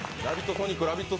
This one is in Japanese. ソニックラヴィット！